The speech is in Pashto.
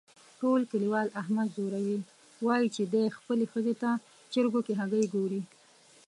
ټول کلیوال احمد ځوروي، وایي چې دی خپلې ښځې ته چرگو کې هگۍ گوري.